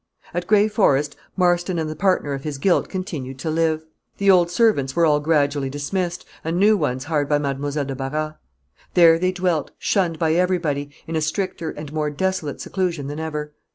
At Gray Forest Marston and the partner of his guilt continued to live. The old servants were all gradually dismissed, and new ones hired by Mademoiselle de Barras. There they dwelt, shunned by everybody, in a stricter and more desolate seclusion than ever.